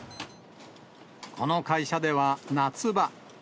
この会社では、夏場。